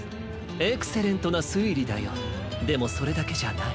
エクセレントなすいりだよ。でもそれだけじゃない。